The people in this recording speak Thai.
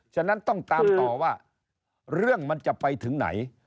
ฉะนั้นต้องตามต่อว่าเรื่องมันจะไปถึงไหน